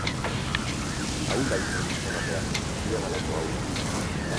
Ahula izan nintzen ordea, zureganako ahula.